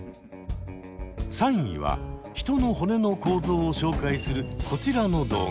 ３位は人の骨の構造を紹介するこちらの動画。